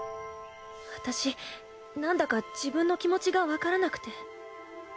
私なんだか自分の気持ちがわからなくて。